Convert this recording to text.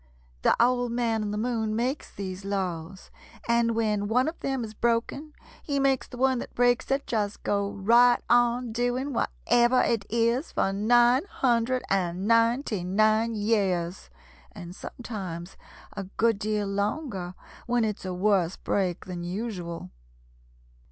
The Old Man in the Moon makes these laws, and when one of them is broken he makes the one that breaks it just go right on doing whatever it is for nine hundred and ninety nine years, and sometimes a good deal longer when it's a worse break than usual.